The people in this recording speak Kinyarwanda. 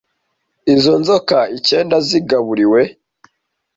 Izo nzoka icyenda zigaburiwe,